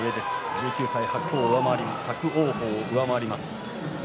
１９歳の伯桜鵬を上回ります。